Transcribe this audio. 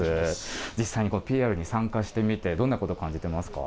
実際にＰＲに参加してみて、どんなこと、感じてますか。